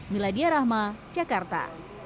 meladia rahma jakarta